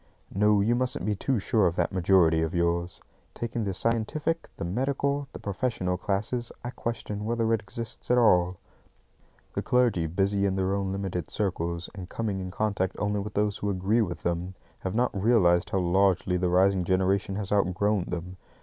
No, you mustn't be too sure of that majority of yours. Taking the scientific, the medical, the professional classes, I question whether it exists at all. The clergy, busy in their own limited circles, and coming in contact only with those who agree with them, have not realised how largely the rising generation has outgrown them.